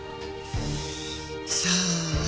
さあ。